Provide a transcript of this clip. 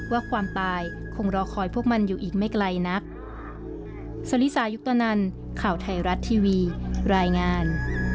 ความตายคงรอคอยพวกมันอยู่อีกไม่ไกลนัก